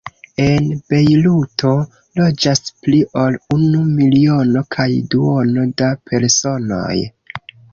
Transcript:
En Bejruto loĝas pli ol unu miliono kaj duono da personoj.